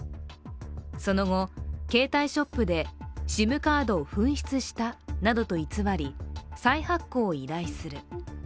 その後、携帯ショップでＳＩＭカードを紛失したなどと偽り再発行を依頼する。